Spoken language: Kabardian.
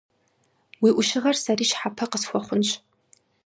Уи Ӏущыгъэр сэри щхьэпэ къысхуэхъунщ.